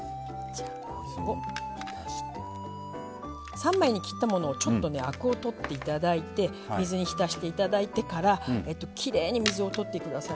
３枚に切ったものをアクを取っていただいて水に浸していただいてからきれいに水をとってください